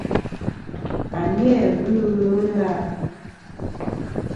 A ni-a ghɨ ɨlvɨ na.